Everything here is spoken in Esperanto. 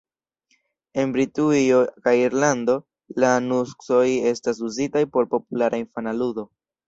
En Britujo kaj Irlando, la nuksoj estas uzitaj por populara infana ludo.